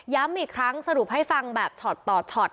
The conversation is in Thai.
ย้ำอีกครั้งสรุปให้ฟังแบบชอดต่อชอด